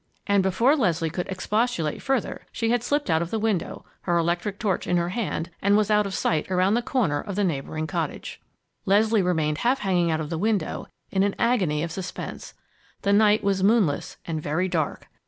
And before Leslie could expostulate further, she had slipped out of the window, her electric torch in her hand, and was out of sight around the corner of the neighboring cottage. Leslie remained half hanging out of the window, in an agony of suspense. The night was moonless and very dark.